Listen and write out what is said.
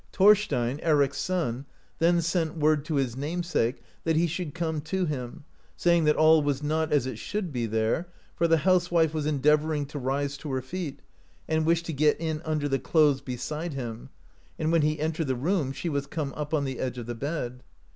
Thorstein, Eric's son, then sent word to his namesake that he should come to him, saying that all was not as it should be there, for the housewife was endeavouring to rise to her feet, and wished to get in under the clothes beside him, and when he entered the room she was come up on the edge of the bed.